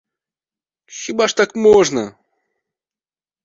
Хіба ж так можна?